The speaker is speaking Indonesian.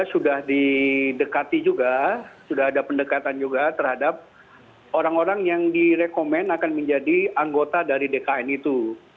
sudah didekati juga sudah ada pendekatan juga terhadap orang orang yang direkomen akan menjadi anggota dari dkn itu